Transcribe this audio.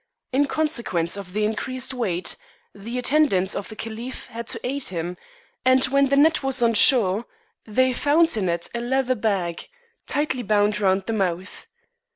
In consequence of the increased weight, the attendants of the caliph had to aid him, and when the net 93 Oriental Mystery Stories was on shore, they found in it a leather bag, tightly bound round the mouth.